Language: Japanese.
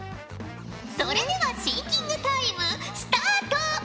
それではシンキングタイムスタート！